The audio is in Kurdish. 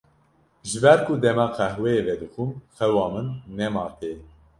Ji ber ku dema qehweyê vedixwim xewa min nema tê.